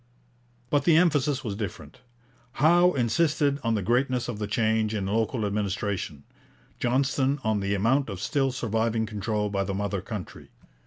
But the emphasis was different. Howe insisted on the greatness of the change in local administration; Johnston on the amount of still surviving control by the mother country.